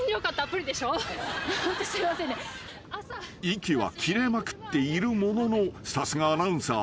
［息は切れまくっているもののさすがアナウンサー］